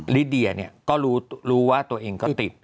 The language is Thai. ลิเดียก็รู้ว่าตัวเองก็ติด